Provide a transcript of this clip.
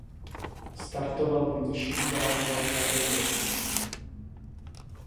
Startoval v nižší váhové kategorii.